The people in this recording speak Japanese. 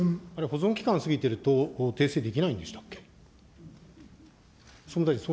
保存期間過ぎてると訂正できないんでしたっけ。